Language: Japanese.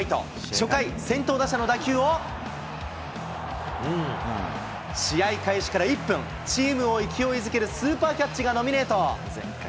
初回、先頭打者の打球を試合開始から１分、チームを勢いづけるスーパーキャッチがノミネート。